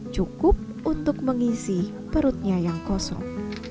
cukup untuk mengisi perutnya yang kosong